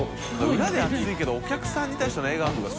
腺裡帖裏で熱いけどお客さんに対しての笑顔が。